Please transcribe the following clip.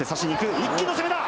一気の攻めだ。